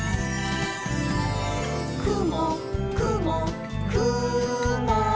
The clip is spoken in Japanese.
「くもくもくも」